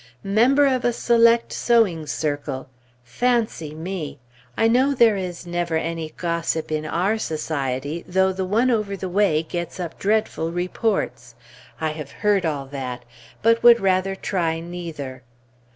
Member of a select sewing circle! Fancy me! (I know "there is never any gossip in our society, though the one over the way gets up dreadful reports"; I have heard all that, but would rather try neither.)